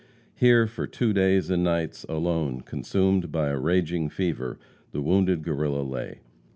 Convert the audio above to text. Here, for two days and nights, alone, consumed by a raging fever, the wounded Guerrilla lay.